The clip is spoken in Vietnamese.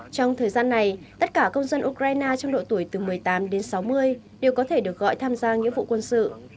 trong thời gian này tất cả công dân ukraine trong độ tuổi từ một mươi tám đến sáu mươi đều có thể được gọi tham gia nghĩa vụ quân sự